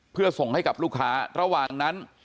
เพื่อส่งให้กับลูกค้าระหว่างนั้น